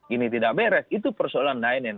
ini tidak beres itu persoalan lain lain